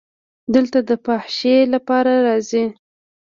دلته د فحاشۍ لپاره راځي.